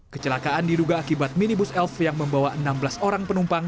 kecelakaan diduga akibat minibus elf yang membawa enam belas orang penumpang